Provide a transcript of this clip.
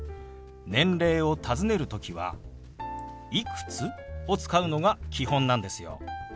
年齢をたずねる時は「いくつ？」を使うのが基本なんですよ。